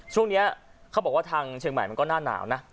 ช่วงนี้เขาบอกว่าทางเชียงใหม่มันก็หน้าหนาวนะ